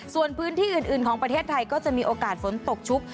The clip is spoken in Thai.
ส่วนพื้นที่อื่นของประเทศไทยก็จะมีโอกาสฝนตกชุก